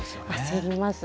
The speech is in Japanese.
焦りますね。